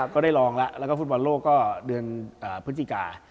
ก็ได้ลองแล้วแล้วก็ฟุตบอลโลกก็เดือนพฤศจิกา